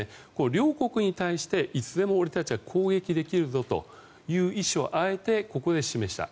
両国に対して、いずれも攻撃できるぞという意思をあえてここで示した。